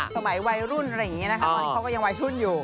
สมัยวัยรุ่นตอนนี้เค้ายังวัยชุดอยู่